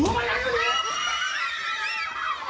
เอาล่ะนี่เอานั่งลง